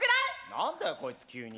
何だよこいつ急に。